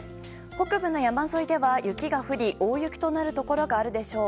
北部の山沿いでは雪が降り大雪となるところがあるでしょう。